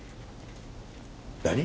何！？